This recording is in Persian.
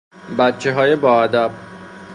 بچههای با ادب